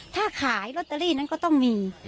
ถ้าขายลอตเตอรี่นั้นก็ต้องมี